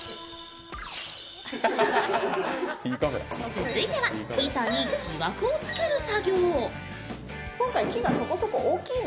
続いては、板に木枠をつける作業